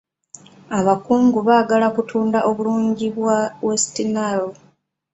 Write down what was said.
Abankungu baagala kutunda obulungi bwa West Nile.